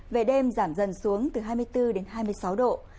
về đêm giảm dần xuống từ hai mươi bốn đến hai mươi sáu độ